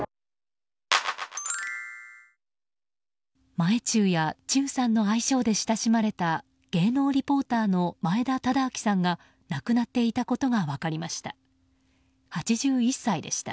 前忠や忠さんの愛称で親しまれた芸能リポーターの前田忠明さんが亡くなっていたことが分かりました。